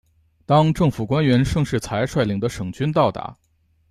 当政府官员盛世才率领的省军到达。